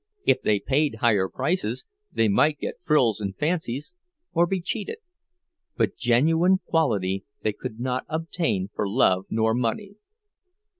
If they paid higher prices, they might get frills and fanciness, or be cheated; but genuine quality they could not obtain for love nor money.